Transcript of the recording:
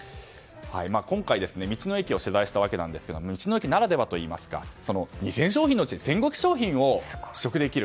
今回、道の駅を取材したわけですが道の駅ならではといいますか２０００商品のうち１５００商品を試食できる。